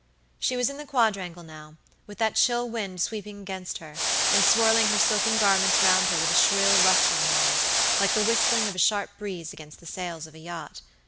She was in the quadrangle now, with that chill wind sweeping against her, and swirling her silken garments round her with a shrill, rustling noise, like the whistling of a sharp breeze against the sails of a yacht.